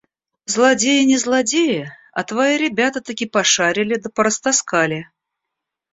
– Злодеи не злодеи, а твои ребята таки пошарили да порастаскали.